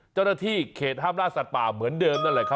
เจ้าหน้าที่เขตห้ามล่าสัตว์ป่าเหมือนเดิมนั่นแหละครับ